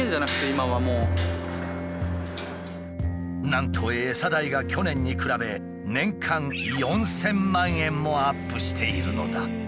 なんと餌代が去年に比べ年間４，０００万円もアップしているのだ。